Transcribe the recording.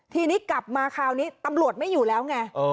ทีนี้กลับมาคราวนี้ตำรวจไม่อยู่แล้วไง